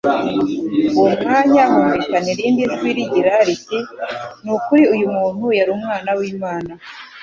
uwo mwanya humvikana irindi jwi rigira riti: «Ni ukuri uyu muntu yari Umwana w'Imana..»